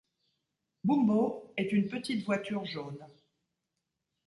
Boumbo est une petite voiture jaune.